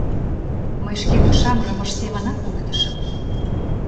Мый шке кышам рывыж семынак куктышым.